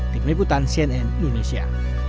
dikniputan cnn indonesia